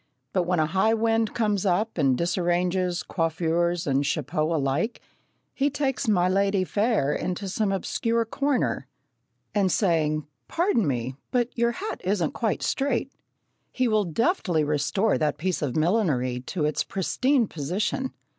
But when a high wind comes up and disarranges coiffures and chapeaux alike, he takes "my ladye fair" into some obscure corner, and saying, "Pardon me, but your hat isn't quite straight," he will deftly restore that piece of millinery to its pristine position.